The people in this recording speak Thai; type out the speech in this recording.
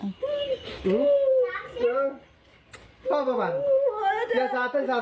ขึ้นใกล้ว่าไปไหนอ่ะพ่อ